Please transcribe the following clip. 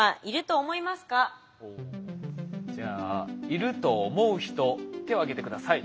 じゃあいると思う人手を挙げて下さい。